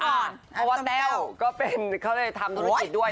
เพราะว่าแต้วก็เป็นเขาเลยทำธุรกิจด้วย